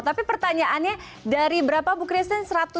tapi pertanyaannya dari berapa bu christine